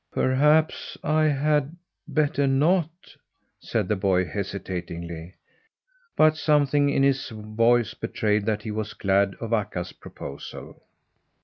"Perhaps I had better not," said the boy hesitatingly, but something in his voice betrayed that he was glad of Akka's proposal.